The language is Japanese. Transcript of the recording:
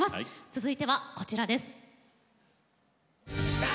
続いてはこちらです。